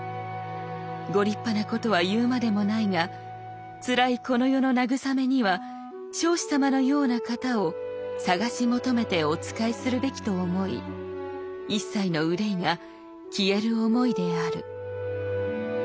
ご立派なことは言うまでもないがつらいこの世の慰めには彰子様のような方を探し求めてお仕えするべきと思い一切の憂いが消える思いである」。